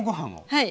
はい。